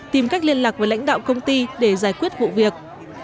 tìm cách liên lạc với lãnh đạo công ty để giải quyết vụ việc